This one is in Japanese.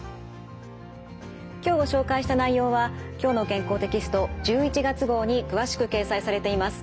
今日ご紹介した内容は「きょうの健康」テキスト１１月号に詳しく掲載されています。